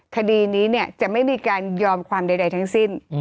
คดีนี้จะไม่มีการยอมความใดทั้งสิ้น